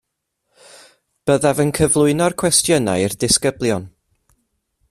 Byddaf yn cyflwyno'r cwestiynau i'r disgyblion